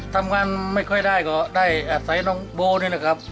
ทำงานไม่ค่อยได้ก็ได้อาศัยน้องโบนี่แหละครับ